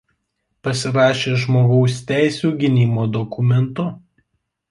Pasirašė žmogaus teisių gynimo dokumentų.